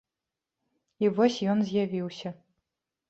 І вось ён з'явіўся.